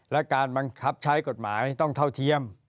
และการบังคับใช้กฎหมายต้องเท่าเทียม